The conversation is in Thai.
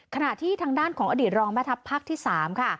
ขณะที่ทางด้านของอดีตรองแม่ทัพภาคที่๓ค่ะ